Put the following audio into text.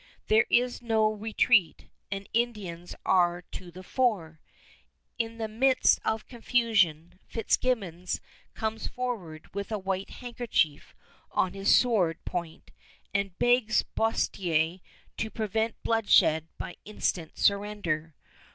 There is no retreat, and Indians are to the fore. In the midst of confusion Fitzgibbons comes forward with a white handkerchief on his sword point and begs Boerstler to prevent bloodshed by instant surrender.